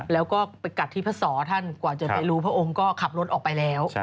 แล้วก็ไปกัดที่พระสอท่านกว่าจะไปรู้พระองค์ก็ขับรถออกไปแล้ว